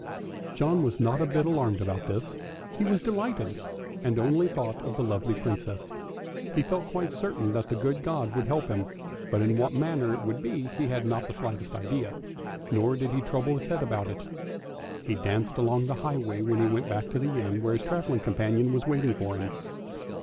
John was not a bit alarmed about himself; he was delighted, and only thought of the lovely Princess. He felt quite certain that the good God would help him, but in what manner it would be he had not the slightest idea, nor did he trouble his head about it. He danced along the highway, when he went back to the inn where his travelling companion was waiting for him.